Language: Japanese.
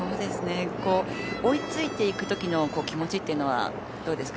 追いついていくときの気持ちというのはどうですか？